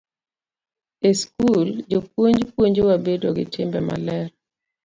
E skul, jopuonj puonjowa bedo gi timbe maler.